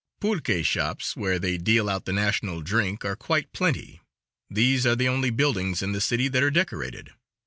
Pulque shops, where they deal out the national drink, are quite plenty. These are the only buildings in the city that are decorated.